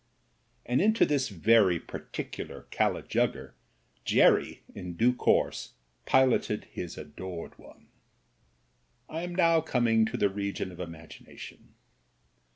And into this very particular i RETRIBUTION 165 kala jugger Jerry, in due course, piloted his adored one. I am now coming to the region of imagination.